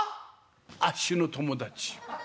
あっしの友達。